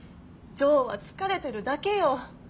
ジョーは疲れてるだけよ。